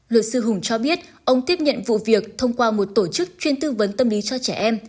luật sư hùng cho biết ông tiếp nhận vụ việc thông qua một tổ chức chuyên tư vấn tâm lý cho trẻ em